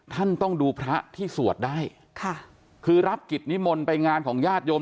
ท่านต้องดูพระที่สวดได้ค่ะคือรับกิจนิมนต์ไปงานของญาติโยม